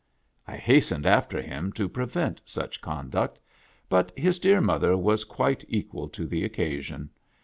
I hastened after him to prevent such conduct, but his dear mother was quite equal to the occasion.